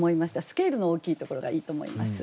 スケールの大きいところがいいと思います。